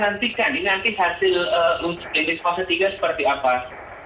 ini nanti hasil uji klinis tahap tiga seperti apa